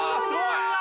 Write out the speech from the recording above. ◆うわ！